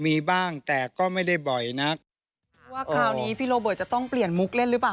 มีบ้างแต่ก็ไม่ได้บ่อยนักว่าคราวนี้พี่โรเบิร์ตจะต้องเปลี่ยนมุกเล่นหรือเปล่า